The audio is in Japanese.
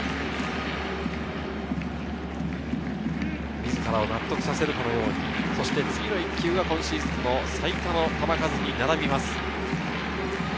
自らを納得させるかのように、次の１球は今シーズンの最多の球数に並びます。